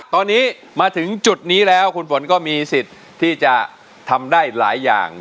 ตอนนี้มาถึงจุดนี้แล้วคุณฝนก็มีสิทธิ์ที่จะทำได้หลายอย่าง